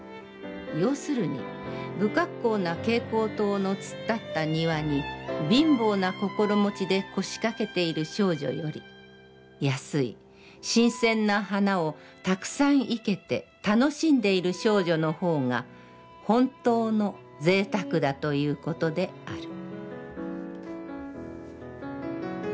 要するに、不格好な蛍光灯の突っ立った庭に貧乏な心持で腰かけている少女より、安い新鮮な花をたくさん活けて楽しんでいる少女の方が、ほんとうの贅沢だということである」。